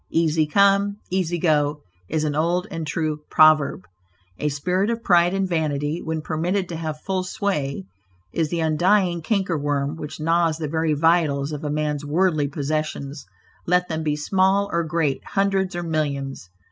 "Easy come, easy go," is an old and true proverb. A spirit of pride and vanity, when permitted to have full sway, is the undying canker worm which gnaws the very vitals of a man's worldly possessions, let them be small or great, hundreds, or millions.